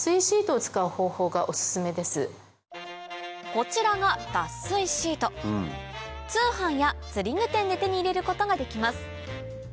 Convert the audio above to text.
こちらが脱水シート通販や釣具店で手に入れることができます